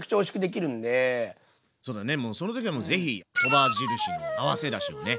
そうだねその時はもう是非「鳥羽印」の合わせだしをね。